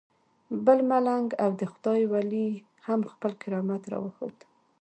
بل ملنګ او د خدای ولی هم خپل کرامت راوښود.